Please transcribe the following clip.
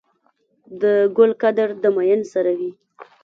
د ګل قدر د ميئن سره وي.